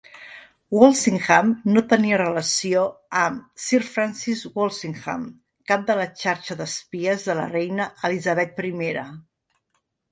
Walsingham no tenia relació amb Sir Francis Walsingham, cap de la xarxa d'espies de la reina Elisabet I.